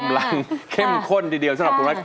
กำลังเข้มข้นทีเดียวสำหรับคุณมัช